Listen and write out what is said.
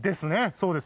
そうです。